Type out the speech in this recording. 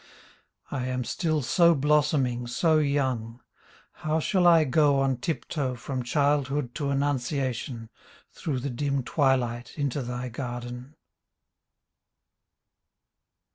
I am still so blossoming, so young. How shall I go on tiptoe From childhood to Annunciation Through the dim twilight Into thy Garden.